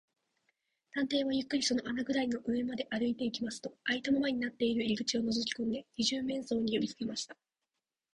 探偵はゆっくりその穴ぐらの上まで歩いていきますと、あいたままになっている入り口をのぞきこんで、二十面相によびかけました。